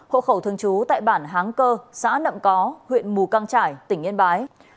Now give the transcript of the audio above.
hộ khẩu thường trú tại bản háng cơ xã nậm có huyện mù căng trải tỉnh yên bái